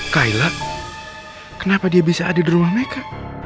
kayla kenapa dia bisa ada di rumah mereka